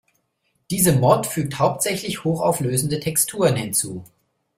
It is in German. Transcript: Diese Mod fügt hauptsächlich hochauflösende Texturen hinzu.